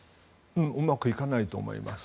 うまくいかないと思います。